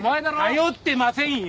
頼ってませんよ！